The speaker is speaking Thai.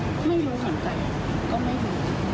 ก็ไม่รู้